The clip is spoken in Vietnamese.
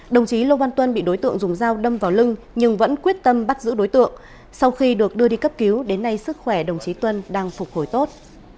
đồng chí lô văn tuân bị đối tượng dùng dao đâm vào lưng nhưng vẫn quyết tâm bắt giữ đối tượng sau khi được đưa đi cấp cứu đến nay sức khỏe đồng chí tuân đang phục hồi tốt